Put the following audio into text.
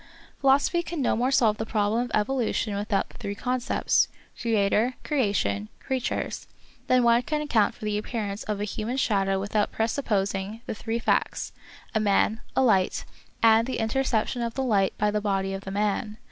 Philosophy can no more solve the problem of evolution without the three concepts. Creator, Crea tion, Creatures, than one can account for the appearance of a human shadow without presupposing the three facts, a man, a light, and an interception of the light by the body of the man.